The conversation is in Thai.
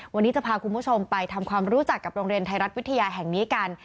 วันนี้จะพาคุณผู้ชมไปทำความรู้จักกับโรงเรียนไทยรัฐวิทยาแห่งนี้กัน